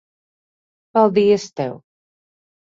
Paldies tev.